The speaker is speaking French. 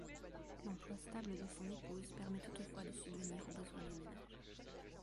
L'emploi stable de son épouse permet toutefois de subvenir aux besoins du ménage.